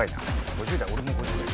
５０代俺も５０代。